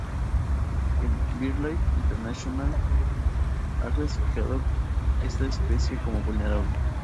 La BirdLife International ha clasificado esta especie como "vulnerable".